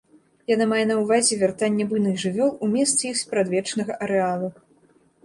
Яна мае на ўвазе вяртанне буйных жывёл у месцы іх спрадвечнага арэалу.